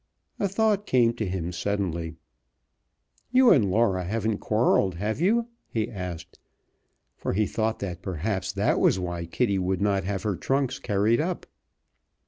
A thought came to him suddenly. "You and Laura haven't quarreled, have you?" he asked, for he thought that perhaps that was why Kitty would not have her trunks carried up.